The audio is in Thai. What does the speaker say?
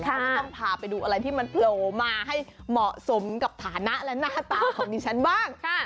ก็ต้องพาไปดูอะไรที่มันโผล่มาให้เหมาะสมกับฐานะและหน้าตาของดิฉันบ้าง